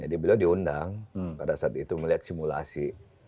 jadi beliau diundang pada saat itu melihat simulasi